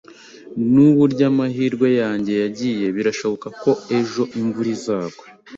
Nuburyo amahirwe yanjye yagiye, birashoboka ko ejo imvura izagwa.